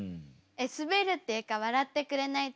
えっスベるっていうか笑ってくれない時は？